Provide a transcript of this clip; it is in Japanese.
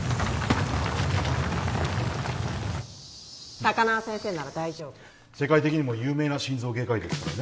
高輪先生なら大丈夫世界的にも有名な心臓外科医ですからね